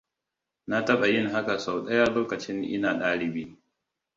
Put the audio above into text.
Na taɓa yin haka sau ɗaya lokacin ina ɗalibi.